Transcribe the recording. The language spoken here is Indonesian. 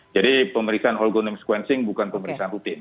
jadi pemeriksaan ergonom sequencing bukan pemeriksaan rutin